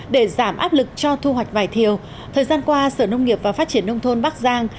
để giảm áp lực cho thu hoạch vải thiều thời gian qua sở nông nghiệp và phát triển nông thôn bắc giang